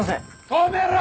・止めろ！